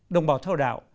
đồng bào theo đạo